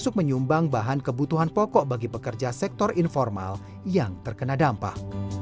untuk menyumbang bahan kebutuhan pokok bagi pekerja sektor informal yang terkena dampak